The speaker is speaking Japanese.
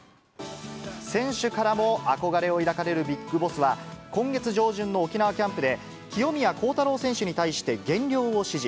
選手からも憧れを抱かれるビッグボスは、今月上旬の沖縄キャンプで、清宮幸太郎選手に対して減量を指示。